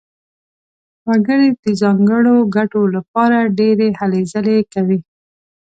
وګړي د ځانګړو ګټو لپاره ډېرې هلې ځلې کوي.